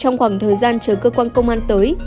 trong khoảng thời gian chờ cơ quan công an tới